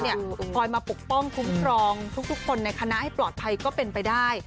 คอยมาปกป้องคุ้มครองทุกคนในคณะให้ปลอดภัยก็เป็นไปได้